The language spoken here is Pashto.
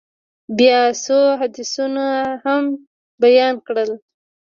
بيا يې څو حديثونه هم بيان کړل.